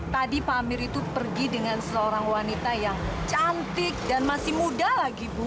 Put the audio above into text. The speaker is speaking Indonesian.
tadi pak amir itu pergi dengan seorang wanita yang cantik dan masih muda lagi bu